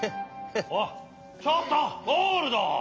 おいちょっとゴールド。